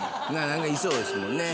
何かいそうですもんね。